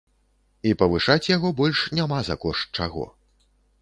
І павышаць яго больш няма за кошт чаго.